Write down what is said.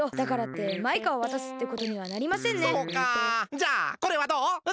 じゃあこれはどう？